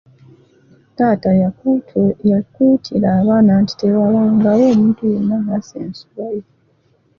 Taata yakuutira abaana nti tewabangawo omuntu yenna ayasa ensuwa ye.